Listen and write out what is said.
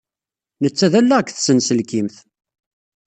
Netta d allaɣ deg tsenselkimt.